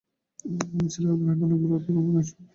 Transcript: আমি ছেলেবেলা হইতে অনেক ব্রত এবং অনেক শিবপূজা করিয়াছিলাম।